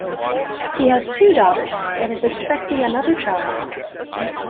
He has two daughters and is expecting another child.